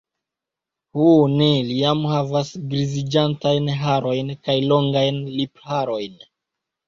Ho ne, li jam havas griziĝantajn harojn kaj longajn lipharojn.